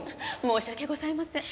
申し訳ございません。